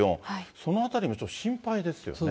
そのあたりもちょっと心配ですよね。